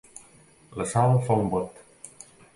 La Sal fa un bot.